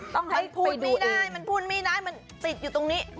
ต้องให้พูดไม่ได้มันพูดไม่ได้มันติดอยู่ตรงนี้